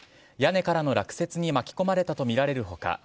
屋根からの落雪に巻き込まれたとみられる他